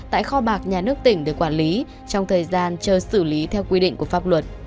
tại kho bạc nhà nước tỉnh để quản lý trong thời gian chờ xử lý theo quy định của pháp luật